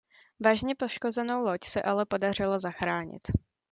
Vážně poškozenou loď se ale podařilo zachránit.